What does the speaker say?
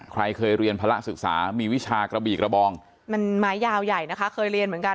ใครเคยเรียนภาระศึกษามีวิชากระบีกระบองมันไม้ยาวใหญ่นะคะเคยเรียนเหมือนกัน